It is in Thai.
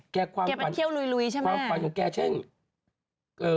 แกเป็นเที่ยวลุยใช่ไหมความฝันของแกเช่นความฝันของแก